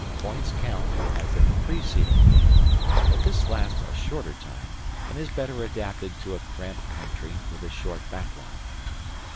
Points count as in the preceding game, but this lasts a shorter time and is better adapted to a cramped country with a short back line.